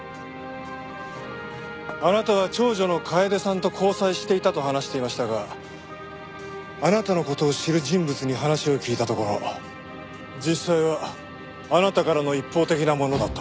あなたは長女の楓さんと交際していたと話していましたがあなたの事を知る人物に話を聞いたところ実際はあなたからの一方的なものだった。